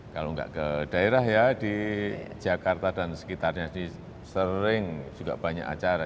kalau nggak ke daerah ya di jakarta dan sekitarnya sering juga banyak acara